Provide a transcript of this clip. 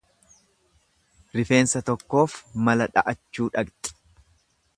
Rifeensa tokkoof mala dha'achuu dhaqxi.